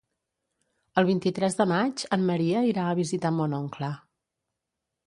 El vint-i-tres de maig en Maria irà a visitar mon oncle.